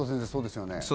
そうですね？